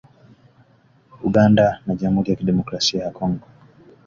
Uganda na Jamhuri ya Kidemokrasi ya Kongo